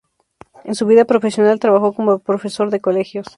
En su vida profesional trabajó como profesor de colegios.